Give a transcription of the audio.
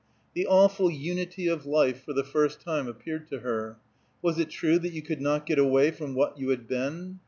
The awful unity of life for the first time appeared to her. Was it true that you could not get away from what you had been?